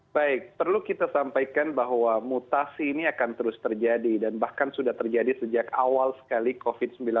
baik perlu kita sampaikan bahwa mutasi ini akan terus terjadi dan bahkan sudah terjadi sejak awal sekali covid sembilan belas